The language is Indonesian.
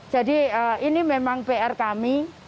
jadi ini memang pr kami